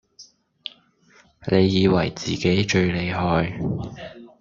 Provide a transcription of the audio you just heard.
你以為自己最厲害